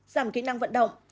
giảm kỹ năng vận động